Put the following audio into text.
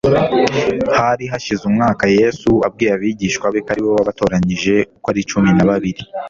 Hari hashize umwaka Yesu abwiye abigishwa be ko ari we wabatoranije uko ari cumi na babiri;